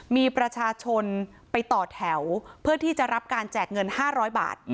มีประชาชนไปต่อแถวเพื่อที่จะรับการแจกเงิน๕๐๐บาท